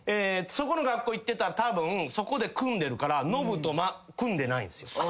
そこの学校行ってたらたぶんそこで組んでるからノブと組んでないんすよ。